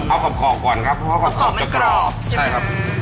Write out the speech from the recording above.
เอากรอบขอกก่อนครับเพราะว่ากรอบขอบจะครอบใช่ไหม